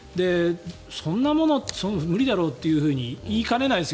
そんなもの無理だろうって言いかねないです